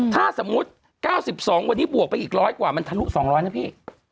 ถ้าสมมุติ๙๒วันนี้บวกไปอีก๑๐๐กว่ามันทะลุ๒๐๐นะพี่